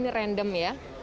ini random ya